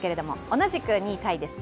同じく２位タイでした